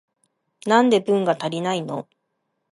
なんで文が足りないの？